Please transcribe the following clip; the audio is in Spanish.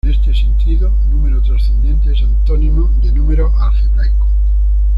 En este sentido, "número trascendente" es antónimo de "número algebraico".